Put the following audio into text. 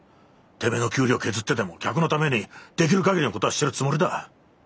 てめえの給料削ってでも客のためにできる限りのことはしてるつもりだ。